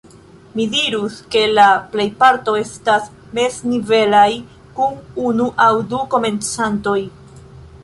Mi dirus ke la plejparto estas meznivelaj, kun unu aŭ du komencantoj.